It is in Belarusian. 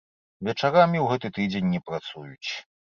Вечарамі ў гэты тыдзень не працуюць.